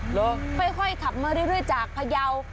หรืออืมไม่ค่อยขับมาเรื่อยจากพระเยา